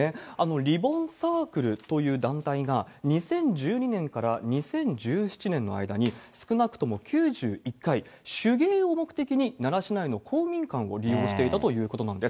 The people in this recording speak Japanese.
リボンサークルという団体が、２０１２年から２０１７年の間に、少なくとも９１回、手芸を目的に奈良市内の公民館を利用していたということなんです。